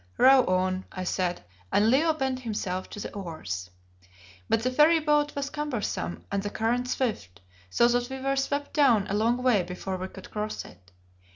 "Row on," I said, and Leo bent himself to the oars. But the ferry boat was cumbersome and the current swift, so that we were swept down a long way before we could cross it.